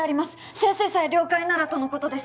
先生さえ了解ならとのことです